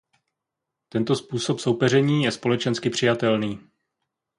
Tento způsob soupeření je společensky přijatelný.